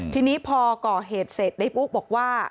ทีนี้พอก่อเหตุเสร็จในปุ๊กบอกว่า